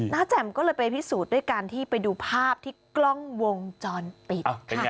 แจ่มก็เลยไปพิสูจน์ด้วยการที่ไปดูภาพที่กล้องวงจรปิด